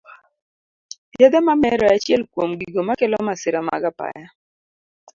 Yedhe mamero e achiel kuom gigo makelo masira mag apaya